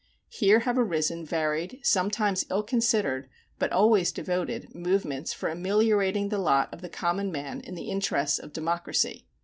Here have arisen varied, sometimes ill considered, but always devoted, movements for ameliorating the lot of the common man in the interests of democracy.